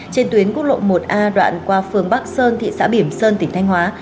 trên tuyến quốc lộ một a đoạn qua phường bắc sơn thị xã biểm sơn tỉnh thanh hóa